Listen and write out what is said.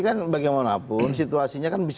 jadi saya berharap permisi nusib a idag gitu